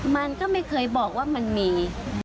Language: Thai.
มันก็ไม่เคยบอกว่ามันมี